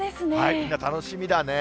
みんな、楽しみだね。